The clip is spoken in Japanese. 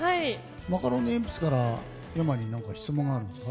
マカロニえんぴつからｙａｍａに質問があるんですか？